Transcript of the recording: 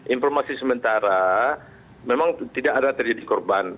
informasi sementara memang tidak ada terjadi korban